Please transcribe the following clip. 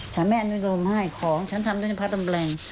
ฉันแม่ง่ายของฉันทำงานพระตำแปลง